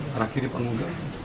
arah kiri panggung